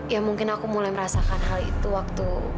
ya mungkin aku mulai merasakan hal itu waktu